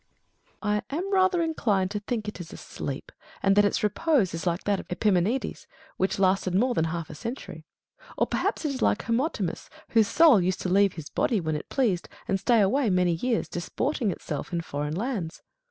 Hercules. I am rather inclined to think it is asleep, and that its repose is like that of Epimenides,^ which lasted more than half a century. Or perhaps it is like Hermotimus,^ whose soul used to leave his body when it pleased, and stay away many years, disporting itself in foreign lands.